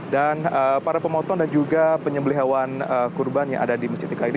dan para pemotong dan juga penyembelihan hewan kurban yang ada di masjid istiqlal ini